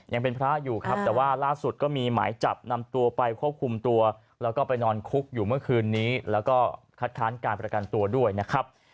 ยังเป็นพระอยู่ครับแต่ว่าล่าสุดก็มีหมายจับนำตัวไปควบคุมตัวแล้วก็ไปนอนคุกอยู่เมื่อคืนนี้แล้วก็คัดค้านการประกันตัวด้วยนะครับ